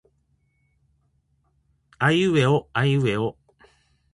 あいうえおあいうえお